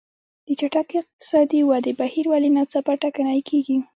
د چټکې اقتصادي ودې بهیر ولې ناڅاپه ټکنی کېږي.